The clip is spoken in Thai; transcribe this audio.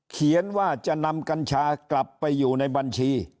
เขียนว่าจะนำกัญชากลับไปอยู่ในบัญชี